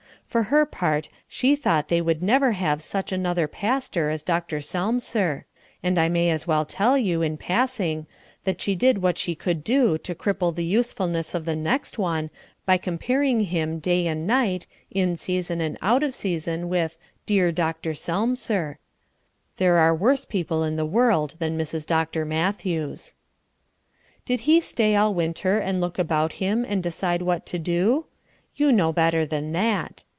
For her part, she thought they would never have such another pastor as Dr. Selmser. And I may as well tell you, in passing, that she did what she could to cripple the usefulness of the next one by comparing him day and night, in season and out of season, with "dear Dr. Selmser." There are worse people in the world than Mrs. Dr. Matthews. Did he stay all winter and look about him and decide what to do? You know better than that.